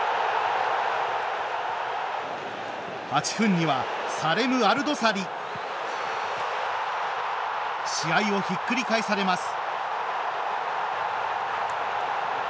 ８分には、サレム・アルドサリ！試合をひっくり返されます。